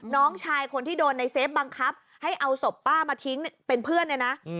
น้องชายคนที่โดนในเซฟบังคับให้เอาศพป้ามาทิ้งเป็นเพื่อนเนี่ยนะ